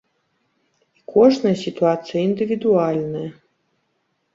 І кожная сітуацыя індывідуальная.